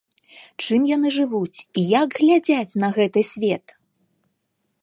Чым яны жывуць і як глядзяць на гэты свет?